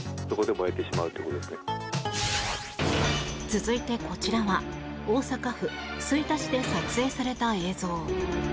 続いてこちらは大阪府吹田市で撮影された映像。